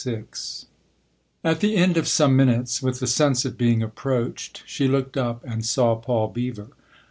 XXVI AT the end of some minutes, with the sense of being approached, she looked up and saw Paul Beever.